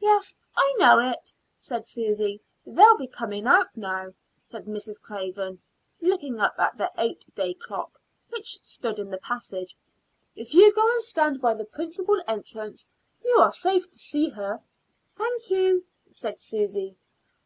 "Yes, I know it," said Susy. "They'll be coming out now," said Mrs. Craven, looking up at the eight day clock which stood in the passage. "If you go and stand by the principal entrance, you are safe to see her." "Thank you," said Susy.